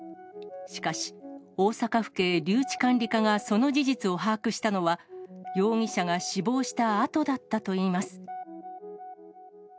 しかし、大阪府警留置管理課がその事実を把握したのは、容疑者が死亡したあとだったといいます。